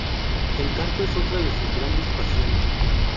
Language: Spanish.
El canto es otra de sua grandes pasiones.